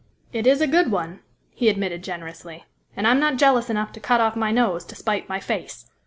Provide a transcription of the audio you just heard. "It is a good one," he admitted generously, "and I'm not jealous enough to cut off my nose to spite my face.